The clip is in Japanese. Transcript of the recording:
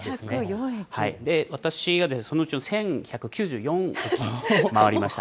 私はそのうちの１１９４駅回りました。